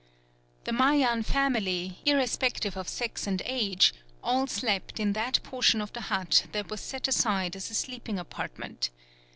The Mayan family, irrespective of sex and age, all slept in that portion of the hut that was set aside as a sleeping apartment.